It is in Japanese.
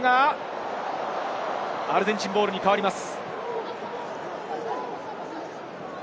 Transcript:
アルゼンチンボールに変わります。